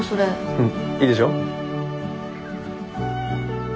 うんいいでしょ？